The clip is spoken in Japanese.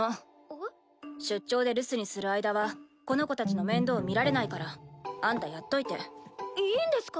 出張で留守にする間はこの子たちの面倒見られないからあんたやっといていいんですか？